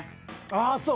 ああそう？